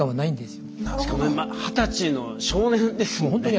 しかも二十歳の少年ですもんね。